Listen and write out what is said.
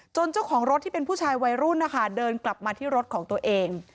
เจ้าของรถที่เป็นผู้ชายวัยรุ่นนะคะเดินกลับมาที่รถของตัวเอง